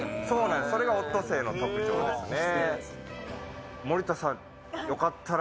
それがオットセイの特徴ですね。